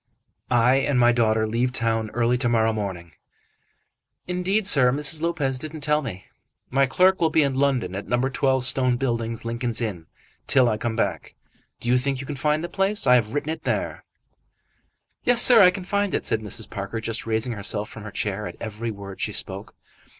"I and my daughter leave town early to morrow morning." "Indeed, sir. Mrs. Lopez didn't tell me." "My clerk will be in London, at No. 12, Stone Buildings, Lincoln's Inn, till I come back. Do you think you can find the place? I have written it there." "Yes, sir, I can find it," said Mrs. Parker, just raising herself from her chair at every word she spoke.